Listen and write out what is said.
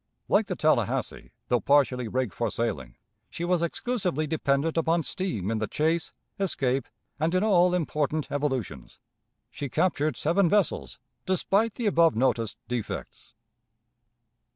Like the Tallahassee, though partially rigged for sailing, she was exclusively dependent upon steam in the chase, escape, and in all important evolutions. She captured seven vessels, despite the above noticed defects.